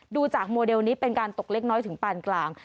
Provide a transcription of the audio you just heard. ดูจากโมเดลนี้เป็นการตกเล็กน้อยถึงปานกลาง